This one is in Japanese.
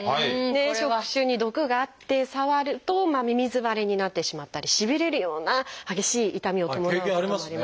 触手に毒があって触るとみみず腫れになってしまったりしびれるような激しい痛みを伴うこともあります。